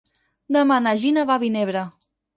Demà na Gina va a Vinebre.